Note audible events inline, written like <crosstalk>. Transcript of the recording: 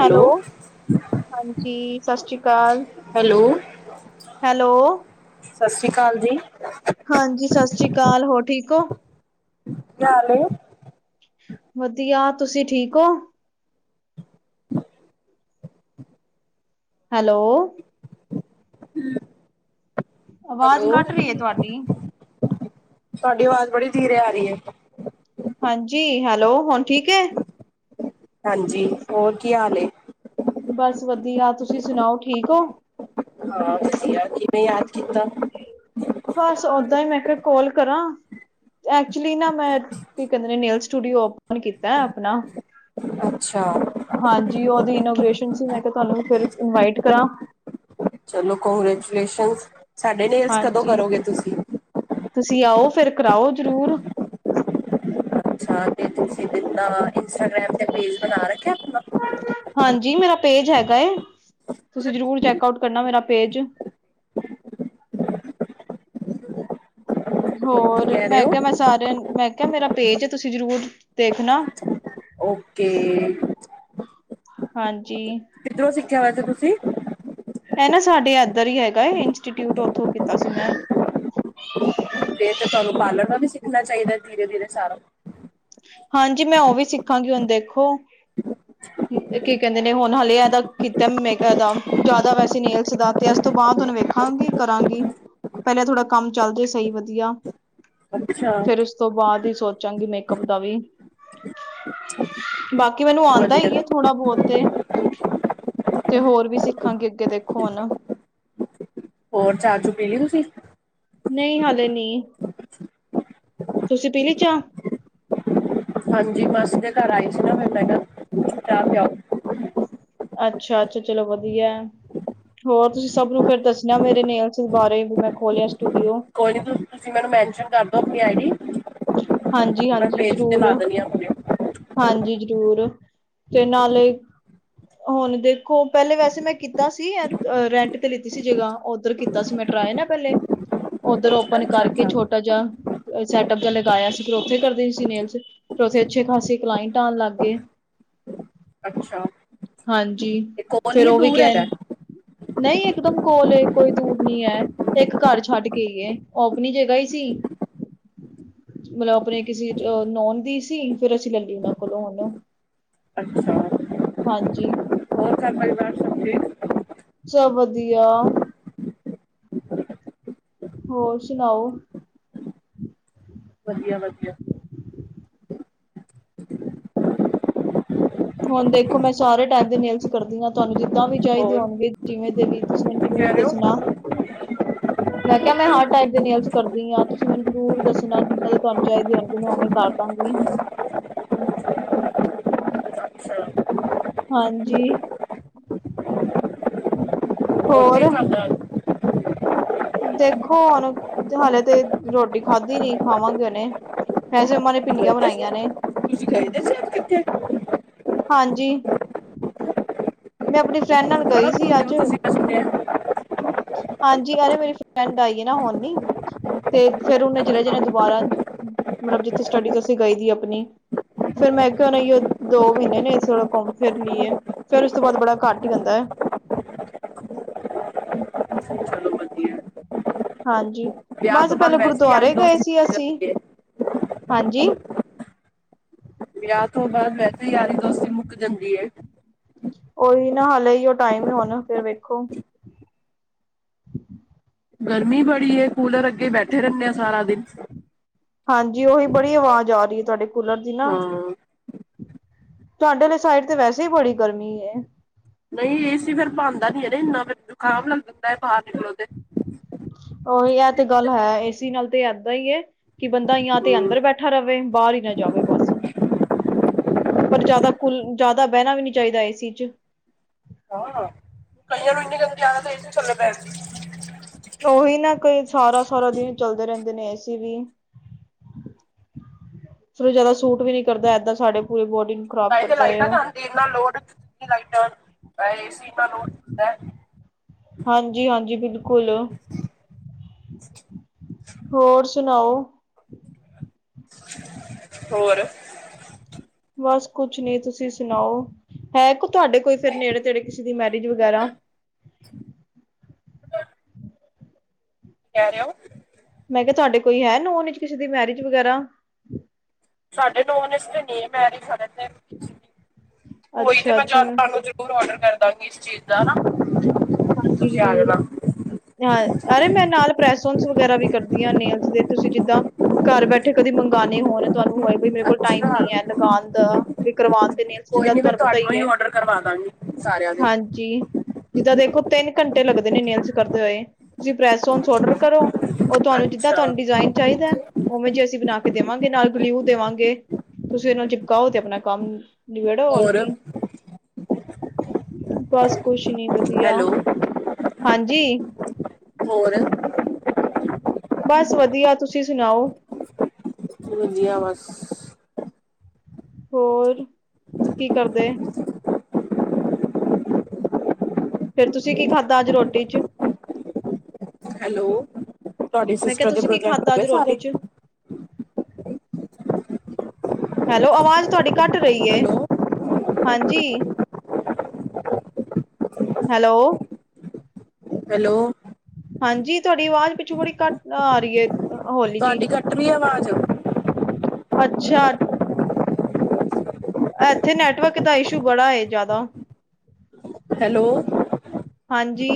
Hello, ਹਾਂਜੀ, ਸਤਿ ਸ਼੍ਰੀ ਅਕਾਲ। ਹੈਲੋ, ਹੈਲੋ, ਸਤਿ ਸ੍ਰੀ ਅਕਾਲ ਜੀ। ਹਾਂਜੀ, ਸਤਿ ਸ੍ਰੀ ਅਕਾਲ, ਹੋਰ ਠੀਕ ਹੋ। ਹਾਲ ਏ ਵਧੀਆ, ਤੁਸੀਂ ਠੀਕ ਹੋ, ਹੈਲੋ, ਆਵਾਜ਼ ਹੈਲੋ, ਕੱਟ ਰਹੀ ਹੈ ਤੁਹਾਡੀ। ਤੁਹਾਡੀ ਆਵਾਜ਼ ਬੜੀ ਧੀਰੇ ਆ ਰਹੀ ਐ। ਹਾਂਜੀ, ਹੈਲੋ, ਹੁਣ ਠੀਕ ਐ। ਹਾਂਜੀ, ਹੋਰ ਕੀ ਹਾਲ ਏ? ਬਸ, ਵਧੀਆ ਤੁਸੀਂ ਸੁਣਾਓ ਠੀਕ ਹੋ। ਹਾਂਜੀ, ਅੱਜ ਕਿਵੇਂ ਯਾਦ ਕੀਤਾ। ਬਸ ਓਦਾਂ ਹੀ ਮੈਂ ਕਿਹਾ ਕਾਲ ਕਰਾਂ ਐਕਚੁਲੀ ਨਾ। ਮੈਂ ਕੀ ਕਹਿੰਦੇ ਨੇਲਸ ਸਟੂਡੀਓ ਓਪਨ ਕੀਤਾ ਆਪਣਾ। ਅੱਛਾ ਹਾਂਜੀ, ਉਹਦੀ ਇਨੋਗ੍ਰੇਸ਼ਨ ਸੀ, ਮੈਂ ਕਿਹਾ ਤੁਹਾਨੂੰ ਫਿਰ ਇਨਵਾਈਟ ਕਰਾਂ। ਚਲੋ, ਕੰਗ੍ਰੈਚੂਲੇਸ਼ਨ, ਸਾਡੇ ਨੇਲਸ ਕਦੋਂ ਹਾਂਜੀ। ਕਰੋਗੇ, ਤੁਸੀਂ। ਤੁਸੀਂ ਆਓ, ਫਿਰ ਕਰਾਓ ਜਰੂਰ। ਅੱਛਾ, ਤੇ ਤੁਸੀਂ ਦਿੱਤਾ ਇੰਸਟਾਗ੍ਰਾਮ ਤੇ ਪੇਜ ਬਣਾ ਰੱਖਿਆ ਆਪਣਾ। ਹਾਂਜੀ, ਮੇਰਾ ਪੇਜ ਹੈਗਾ ਤੁਸੀਂ ਜਰੂਰ ਚੈਕ ਆਊਟ ਕਰਨਾ, ਮੇਰਾ ਪੇਜ। ਕੀ ਹੋਰ ਕਹਿ ਰਹੇ ਮੈਂ ਹੋ ਕਿਹਾ ਮੈਂ ਸਾਰਿਆਂ ਮੈਂ ਕਿਹਾ ਮੇਰਾ ਪੇਜ ਐ, ਤੁਸੀਂ ਜ਼ਰੂਰ ਦੇਖਣਾ‌। ਓਕੇ, ਹਾਂਜੀ, ਕਿੱਧਰੋਂ, ਸਿੱਖਿਆ ਵੈਸੇ ਤੁਸੀਂ। ਇਹ ਨਾ ਸਾਡੇ ਇੱਧਰ ਹੀ ਹੈਗਾ। ਇੰਸਟੀਟਿਊਟ ਉੱਥੋਂ ਕੀਤਾ ਸੀ ਮੈਂ, ਫਿਰ ਤੇ ਤੁਹਾਨੂੰ ਪਾਲਣ ਨੂੰ ਵੀ ਸਿੱਖਣਾ ਚਾਹੀਦਾ ਧੀਰੇ ਧੀਰੇ ਸਾਰਾ। ਹਾਂਜੀ, ਮੈਂ ਉਹ ਵੀ ਸਿੱਖਾਂਗੀ ਹੁਣ ਦੇਖੋ। ਕੀ ਕਹਿੰਦੇ ਨੇ ਹੁਣ ਹਾਲੇ ਇਹਦਾ ਕੀਤਾ ਮਦਾ ਜਿਆਦਾ, ਵੈਸੇ ਨੇਲਸ ਦਾ ਤੇ, ਇਸ ਤੋਂ ਬਾਅਦ ਹੁਣ ਵੇਖ, ਖਾਂਗੀ ਕਰਾਂਗੀ ਪਹਿਲਾਂ ਥੋੜਾ ਕੰਮ ਚੱਲ ਜੇ ਸਹੀ ਵਧੀਆ। ਅੱਛਾ, ਫੇਰ ਉਸ, ਤੋਂ ਬਾਅਦ ਹੀ ਸੋਚਾਂਗੀ ਮੇਕਅਪ ਦਾ ਵੀ। ਬਾਕੀ ਮੈਨੂੰ ਆਂਦਾ ਹੀ ਐ ਵਧੀਆ ਥੋੜਾ ਬਹੁਤ ਤੇ, ਤੇ ਹੋਰ ਵੀ ਸਿੱਖਾਂਗੇ, ਅੱਗੇ ਦੇਖੋ ਹੁਣ। ਹੋਰ ਚਾਹ ਚੂ ਪੀ ਲਈ, ਤੁਸੀਂ ਨਹੀਂ ਹਾਲੇ ਨੀ। ਤੁਸੀਂ ਪੀਲੀ ਚਾਹ। ਹਾਂਜੀ, ਮਾਸੀ ਦੇ ਘਰ ਆਈ ਸੀ ਨਾ ਫਿਰ ਮੈਂ ਕਿਹਾ ਚਾਹ ਪਿਆਓ। ਅੱਛਾ, ਏ ਤੇ ਚਲੋ ਵਧੀਆ। ਹੋਰ ਤੁਸੀਂ ਸਭ ਨੂੰ ਫਿਰ ਦੱਸਣਾ, ਮੇਰੇ ਨੇਲਸ ਬਾਰੇ ਵੀ, ਮੈਂ ਖੋਲਿਆ ਸਟੂਡੀਓ। ਕੋਈ ਨੀ ਤੁਸੀਂ, ਮੈਨੂੰ ਮੈਨਸ਼ਨ ਕਰਦੋ ਆਪਣੀ ਆਈ ਡੀ। ਹਾਂਜੀ ਮੈਂ ਹਾਂਜੀ ਪੇਜ ਤੇ ਜ਼ਰੂਰ ਲਾ ਦੇਣੀ ਆ ਆਪਣੇ। ਹਾਂਜੀ, ਜ਼ਰੂਰ ਤੇ ਨਾਲੇ, ਹੁਣ ਦੇਖੋ ਪਹਿਲੇ ਵੈਸੇ ਮੈਂ ਕੀਤਾ ਸੀ, ਐਂ ਰੈਂਟ ਤੇ ਲਿੱਤੀ ਸੀ ਜਗ੍ਹਾ ਔਧਰ ਤਾ ਸੀ ਮੈਂ ਟਰਾਏ ਨਾ ਪੈਲੇ ਓਧਰ ਔਪਨ ਅੱਛਾ ਕਰ ਕੇ ਅੱਛਾ ਛੋਟਾ ਜਾ ਅ ਸੈਟਅਪ ਜਾ ਲਗਾਇਆ ਸੀ ਫੇਰ ਓਥੇ ਕਰਦੇ ਸੀ ਨੇਲਸ, ਫੇਰ ਓਥੇ ਅੱਛੇ ਖਾਸੀ ਕਲਾਈਟ ਆਣ ਲੱਗ ਗੇ। ਅੱਛਾ। ਹਾਂਜੀ, ਇਹ ਕੋਲ ਫੇਰ ਹੀ ਓਹ ਵੀ ਦੂਰ ਕੈਣ ਹੈਗਾ? ਨਹੀਂ ਇਕਦਮ ਕੋਲ ਏ ਕੋਈ ਦੂਰ ਨੀ ਐ। ਤੇ ਇੱਕ ਘਰ ਛੱਡ ਕੇ ਈ ਏ ਓਹ ਅਪਣੀ ਜਗ੍ਹਾ ਹੀ ਸੀ। ਮਤਲਬ ਅਪਣੇ ਕਿਸੀ ਅ ਨੋਣ ਦੀ ਸੀ, ਫੇਰ ਅਸੀਂ ਲੈਲੀ ਓਨਾਂ ਕੋਲੋਂ ਹੁਣ ਓਹ। ਅੱਛਾ। ਹਾਂਜੀ। ਹੋਰ, ਘਰ ਸਭ ਪਰਿਵਾਰ ਸਭ ਜੀ ਸਭ ਵਧੀਆ। ਹੋਰ ਸੁਣਾਓ? ਵਧੀਆ ਵਧੀਆ। <inaudible> ਹੋਣ ਦੇਖੋ ਮੈਂ ਸਾਰੇ ਟਾਈਪ ਦੇ ਨੇਲਸ ਕਰਦੀ ਆਂ, ਤੁਹਾਨੂੰ ਜਿੱਦਾਂ ਵੀ ਚਾਹੀਦੇ ਹੋਰ ਹੋਣਗੇ ਜਿਵੇਂ ਦੇ ਵੀ ਤੁਸੀਂ ਮੈਨੂੰ ਕੀ ਕਹਿ ਜ਼ਰੂਰ ਰਹੇ ਹੋ ਦੱਸਣਾ। <inaudible> ਮੈਂ ਕਿਹਾ ਮੈਂ ਹਰ ਟਾਈਪ ਦੇ ਨੇਲਸ ਕਰਦੀ ਆਂ, ਤੁਸੀਂ ਮੈਨੂੰ ਜ਼ਰੂਰ ਦੱਸਣਾ ਜਿੱਦਾਂ ਦੇ ਤੁਹਾਨੂੰ ਚਾਹੀਦੀ ਹੋਣਗੇ ਮੈਂ ਓਵੇਂ ਈ ਕਰ ਦਾਂਗੀ। ਅੱਛਾ ਹਾਂਜੀ। ਕਿ ਹੋਰ ਖਾਦਾ ਆ? ਦੇਖੋ, ਹੁਣ ਹਲੇ ਤੇ ਰੋਟੀ ਖਾਧੀ ਨੀ ਖਾਵਾਂਗੇ ਹੋਣੇ। ਵੈਸੇ ਅਮਾ ਨੇ ਗਏ ਭਿੰਡੀਆਂ ਦੇ ਸੀ ਬਣਾਈਆਂ ਨੇ। ਤੁਸੀਂ ਗਏ ਦੇ ਸੀ ਅੱਜ ਕਿੱਥੇ? ਹਾਂਜੀ। ਮੈਂ ਅਪਣੀ ਫਰੈਂਡ ਨਾਲ ਬੜਾ ਗਈ ਸੀ ਘੁੰਮਦੇ ਹੋ ਅੱਜ। ਤੁਸੀਂ ਮੈਂ ਸੁਣਿਆ। ਹਾਂਜੀ, ਅਰੇ ਮੇਰੀ ਫਰੈਂਡ ਆਈ ਆ ਨਾ ਹੁਣੀ। ਤੇ ਫੇਰ ਉਨੇ ਚਲੇ ਅੱਛਾ, ਜਾਣੈ ਦੁਬਾਰਾ ਮਤਲਬ ਜਿੱਥੇ ਸਟੱਡੀ ਵਾਸਤੇ ਗਈ ਦੀ ਅਪਣੀ। ਫੇਰ ਮੈਂ ਕਿਹਾ ਹੁਣ ਓਹੀਓ ਦੋ ਮਹੀਨੇ ਨੇ ਥੋੜਾ ਘੁੰਮ ਫੇਰ ਲਈਏ। ਫੇਰ ਉਸ ਤੋਂ ਬਾਅਦ ਬੜਾ ਘੱਟ ਹੀ ਬਣਦਾ। ਚਲੋ ਵਧੀਐ। ਹਾਂਜੀ, ਬਸ ਪੈਲਾਂ ਵੈਸੇ ਹੀ ਯਾਰੀ ਗੁਰਦੁਆਰੇ ਗਏ ਦੋਸਤੀ ਸੀ ਵੱਧ ਅਸੀਂ, ਜਾਂਦੀ ਹੈ। ਹਾਂਜੀ। ਵਿਆਹ ਤੋਂ ਬਾਅਦ ਵੈਸੇ ਈ ਯਾਰੀ ਦੋਸਤੀ ਮੁੱਕ ਜਾਂਦੀ ਏ। ਓਹੀ ਨਾ ਹਾਲੇ ਇਹੀਓ ਟਾਈਮ ਏ ਹੁਣ, ਫੇਰ ਵੇਖੋ। ਗਰਮੀ ਬੜੀ ਏ ਕੂਲਰ ਅੱਗੇ ਬੈਠੇ ਰਹਿਣੇ ਆਂ ਸਾਰਾ ਦਿਨ। ਹਾਂਜੀ, ਓਹੀ ਬੜੀ ਅਵਾਜ਼ ਆ ਰੀ ਏ, ਤੁਹਾਡੇ ਕੂਲਰ ਦੀ ਨਾ। ਹਾਂ ਤੁਹਾਡੇ ਅਲੇ ਸਾਈਡ ਤੇ ਵੈਸੇ ਈ ਬੜੀ ਗਰਮੀ ਏ। ਈ ਸੀ ਫੇਰ ਭਾਦਾ ਨੀ ਹੈ ਨਾ ਇੰਨਾ ਫੇਰ ਜ਼ੁਕਾਮ ਲੱਗ ਜਾਂਦੈ, ਬਾਰ ਨਿਕਲੋ ਤੇ। ਓਹੀ ਏ ਤੇ ਗੱਲ ਹੈ ਏਸੀ ਨਾਲ ਤੇ ਏਦਾਂ ਹੀ ਏ। ਕਿ ਬੰਦਾ ਜਾ ਤੇ ਹੂੰ ਅੰਦਰ ਬੈਠਾ ਰਵੇ, ਬਾਰ ਹੀ ਨਾ ਜਾਵੇ ਬਸ। ਪਰ ਜ਼ਿਆਦਾ ਕੁਲ ਜ਼ਿਆਦਾ ਬਹਿਣਾ ਵੀ ਨੀ ਚਾਹੀਦਾ ਏਸੀ ਚ। ਹਾਂ। ਮੈਨੂੰ ਇੰਨੀ ਗੰਦੀ ਆਦਤ ਹੋਈ ਥੱਲੇ ਬੈਣ ਦੀ। ਤੇ ਓਹੀ ਨਾ ਕੋਈ ਸਾਰਾ ਸਾਰਾ ਦਿਨ ਚੱਲਦੇ ਰਹਿੰਦੇ ਨੇ ਏਸੀ ਵੀ। ਫਿਰ ਓ ਜਿਆਦਾ ਸੂਟ ਵੀ ਨੀ ਕਰਦਾ ਐਦਾਂ ਸਾਡੇ ਪੂਰੀ ਬੋਡੀ ਨੂੰ ਖਰਾਬ ਤਾਂਹੀ ਤੇ ਲਾਈਟਾਂ ਖਾਂਦੀ ਇੰਨਾ ਲੋਡ ਲਾਈਟਾਂ ਐ ਏਸੀ ਇਨਾ ਲੋਡ ਹੁੰਦਾ। ਹਾਂਜੀ ਹਾਂਜੀ, ਬਿਲਕੁਲ। ਹੋਰ ਸੁਣਾਓ? ਹੋਰ। ਬਸ ਕੁਛ ਨੀ, ਤੁਸੀਂ ਸੁਣਾਓ? ਹੈ ਕੋ ਤੁਹਾਡੇ ਕੋਈ ਫੇਰ ਨੇੜੇ ਤੇੜੇ ਕਿਸੀ ਦੀ ਮੈਰਿਜ ਵਗੈਰਾ? ਕੀ ਕਹਿ ਰਹੇ ਹੋ। ਮੈਂ ਕਿਹਾ ਤੁਹਾਡੇ ਕੋਈ ਹੈ ਨੋਨ ਚ ਕਿਸੇ ਦੀ ਮੈਰਿਜ ਵਗੈਰਾ। ਸਾਡੇ ਨੋਨੇ ਚ ਤੇ ਨਹੀਂ ਹੈ ਮੈਰਿਜ ਹਜੇ ਤੇ ਹੋਈ ਤੇ ਅੱਛਾ ਮੈ ਅੱਛਾ ਮੈਂ ਦਸ ਜ਼ਰੂਰ ਆਰਡਰ ਕਰਦਾਂਗੀ ਇਸ ਚੀਜ਼ ਦਾ ਹਨਾ। ਹਾਂਜੀ ਜ਼ਰੂਰ। ਹਾਂ ਅਰੇ ਮੈਂ ਨਾਲ ਪ੍ਰੈਸਔਨਸ ਵਗੈਰਾ ਵੀ ਕਰਦੀ ਹਾਂ ਨੇਲਸ ਦੇ ਤੁਸੀਂ ਜਿੱਦਾਂ ਘਰ ਬੈਠੇ ਕਦੇ ਮੰਗਾਣੇ ਹੋਣ ਤੁਹਾਨੂੰ ਹੋਏ ਮੇਰੇ ਕੋਲ ਟਾਈਮ ਨੀ ਅੱਛਾ ਹੈ ਲਗਾਉਣ ਦਾ ਤੇ ਕਰਵਾਣ। ਤੇ ਨੇਲਸ ਕੋਈ ਦਾ ਨੀ ਮੈਂ ਤੁਹਾਨੂੰ ਪਤਾ ਹੀ ਹੈ ਔਡਰ ਕਰਵਾ ਦਾਂਗੀ ਸਾਰਿਆਂ ਦੇ ਹਾਂਜੀ। ਜੀ ਜਿੱਦਾਂ ਦੇਖੋ ਤਿੰਨ ਘੰਟੇ ਲੱਗਦੇ ਨੇ ਨੇਲਸ ਕਰਦੇ ਹੋਏ ਤੁਸੀਂ ਪ੍ਰੈਸ ਔਨਸ ਔਡਰ ਕਰੋ। ਉਹ ਤੁਹਾਨੂੰ ਜਿੱਦਾਂ ਅੱਛਾ ਤੁਹਾਨੂੰ ਡਿਜ਼ਾਇਨ ਚਾਹੀਦਾ ਉਵੇਂ ਜੇ ਅਸੀਂ ਬਣਾ ਕੇ ਦੇਵਾਂਗੇ ਨਾਲ ਗਲਿਊ ਦੇਵਾਂਗੇ। ਤੁਸੀਂ ਉਹਨੂੰ ਚਿਪਕਾਓ ਤੇ ਆਪਣਾ ਕੰਮ ਨਬੇੜੋ ਹੋਰ ਕੀ। ਬਸ ਕੁਛ ਨੀ ਵਧੀਆ। ਹੈਲੋ ਹਾਂਜੀ। ਹੋਰ? ਬਸ ਵਧੀਆ ਤੁਸੀਂ ਸੁਣਾਓ। ਵਧੀਆ ਬਸ। ਹੋਰ ਕੀ ਕਰਦੇ? ਫੇਰ ਤੁਸੀਂ ਕੀ ਖਾਧਾ ਅੱਜ ਰੋਟੀ ਚ? ਹੈਲੋ, ਤੁਹਾਡੀ ਮੈਂ ਕਿਹਾ ਸਿਸਟਰ ਦੇ ਤੁਸੀਂ ਕੀ ਪ੍ਰੋਜੈਕਟ ਹੋ ਖਾਧਾ ਗਏ ਅੱਜ ਰੋਟੀ ਸਾਰੇ। ਚ ਹੈਲੋ ਅਵਾਜ਼ ਤੁਹਾਡੀ ਕਟ ਰਹੀ ਏ, ਹੈਲੋ ਹਾਂਜੀ! ਹੈਲੋ। ਹੈਲੋ। ਹਾਂਜੀ ਤੁਹਾਡੀ ਆਵਾਜ਼ ਪਿੱਛੋਂ ਬੜੀ ਘੱਟ ਆ ਰਹੀ ਏ। ਹੋਲੀ ਜੀ, ਤੁਹਾਡੀ ਕੱਟ ਰਹੀ ਹੈ ਆਵਾਜ਼ ਅੱਛਾ। ਇੱਥੇ ਨੈਟਵਰਕ ਦਾ ਇਸ਼ੂ ਬੜਾ ਏ ਜਿਆਦਾ ਹੈਲੋ! ਹਾਂਜੀ।